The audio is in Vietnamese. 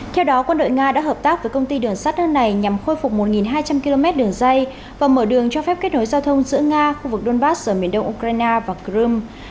theo đó quân đội nga đã hợp tác với công ty đường sắt nước này nhằm khôi phục một hai trăm linh km đường dây và mở đường cho phép kết nối giao thông giữa nga khu vực donbass ở miền đông ukraine và crimea